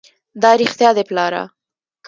دا رښتيا دي پلاره!